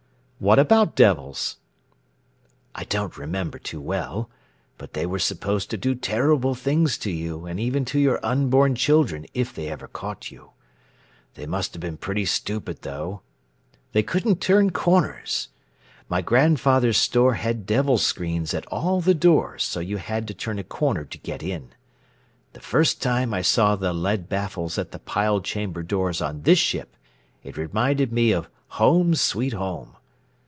"What about devils?" "I don't remember too well, but they were supposed to do terrible things to you and even to your unborn children if they ever caught you. They must have been pretty stupid though; they couldn't turn corners. My grandfather's store had devil screens at all the doors so you had to turn a corner to get in. The first time I saw the lead baffles at the pile chamber doors on this ship it reminded me of home sweet home.